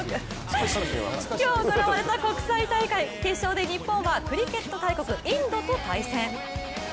今日行われた国際大会、決勝で日本はクリケット大国、インドと対戦。